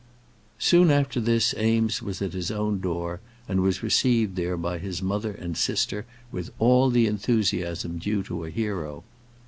Soon after this Eames was at his own door, and was received there by his mother and sister with all the enthusiasm due to a hero.